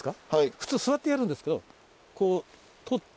普通座ってやるんですけどこうとって。